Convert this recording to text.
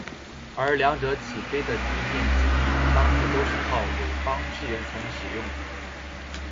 而两者起飞的地面基地当时都是靠友邦支援才能使用。